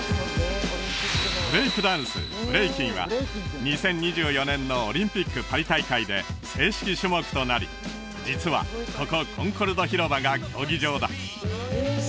ブレイクダンスブレイキンは２０２４年のオリンピックパリ大会で正式種目となり実はここコンコルド広場が競技場だ